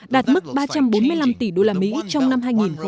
đạt mức ba trăm bốn mươi năm tỷ đô la mỹ trong năm hai nghìn một mươi năm